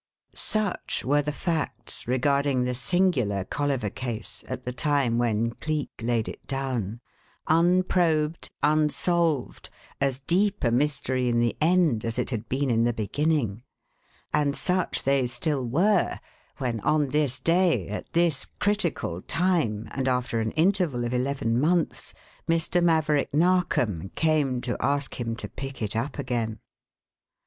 Such were the facts regarding the singular Colliver case at the time when Cleek laid it down unprobed, unsolved, as deep a mystery in the end as it had been in the beginning and such they still were when, on this day, at this critical time and after an interval of eleven months, Mr. Maverick Narkom came to ask him to pick it up again.